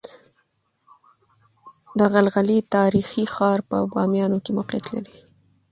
دغلغلې تاريخي ښار په باميانو کې موقعيت لري